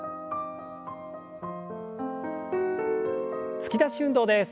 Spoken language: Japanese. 突き出し運動です。